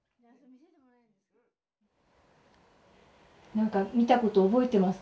何か見たこと覚えてますか？